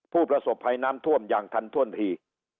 ผู้ประสบภัยน้ำท่วมอย่างทันท่วนที